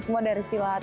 semua dari silat